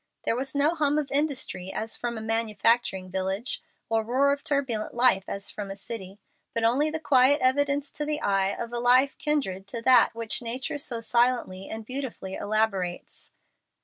There was no hum of industry as from a manufacturing village, or roar of turbulent life as from a city, but only the quiet evidence to the eye of a life kindred to that which nature so silently and beautifully elaborates.